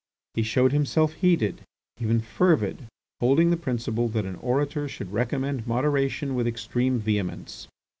He showed himself heated, even fervid; holding the principle that an orator should recommend moderation with extreme vehemence.